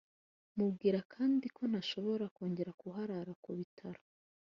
Mubwira kandi ko ntashobora kongera kurara ku bitaro